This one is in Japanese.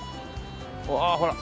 ああほら。